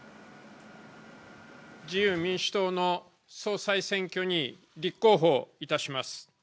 自由民主党の総裁選挙に立候補いたします。